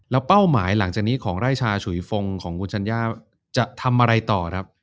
แล้วเป้าหมายหลังจากนี้ของไร่ชาฉุยฟงของคุณชัญญาจะทำอะไรต่อครับ